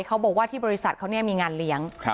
เขาบอกว่าที่บริษัทเขามีงานเลี้ยง